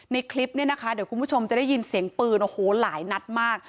ในคลิปเนี่ยนะคะเดี๋ยวคุณผู้ชมจะได้ยินเสียงปืนโอ้โหหลายนัดมาก